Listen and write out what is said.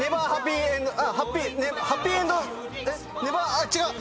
あっ違う！